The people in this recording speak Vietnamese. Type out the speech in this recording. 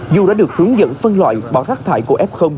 dù đã được hướng dẫn phân loại bỏ rác thải của f